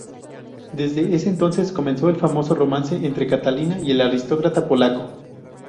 Desde ese entonces comenzó el famoso romance entre Catalina y el aristócrata polaco.